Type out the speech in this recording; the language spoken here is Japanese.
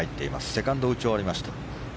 セカンドを打ち終わりました。